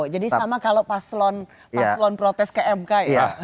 jadi sama kalau paslon protes kmk ya